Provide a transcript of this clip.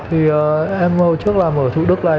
thì em hồi trước là mở thủ đức này